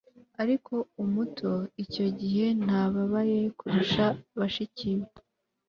Ariko umuto icyo gihe ntababaye kurusha bashiki be